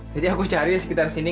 jadi aku cari di sekitar sini